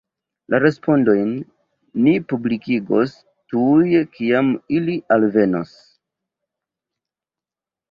La respondojn ni publikigos tuj kiam ili alvenos.